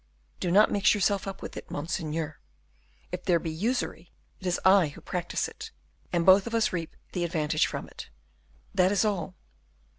"Do not mix yourself up with it, monseigneur; if there be usury, it is I who practice it, and both of us reap the advantage from it that is all."